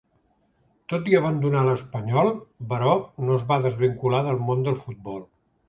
Tot i abandonar l'Espanyol, Baró no es va desvincular del món del futbol.